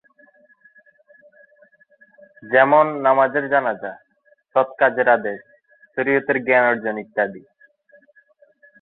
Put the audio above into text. যেমন: নামাজের জানাজা, সৎ কাজের আদেশ, শরিয়তের জ্ঞান অর্জন ইত্যাদি।